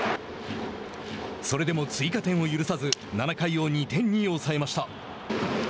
それでも追加点を許さず７回を２点に抑えました。